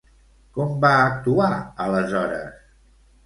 Com va actuar, aleshores?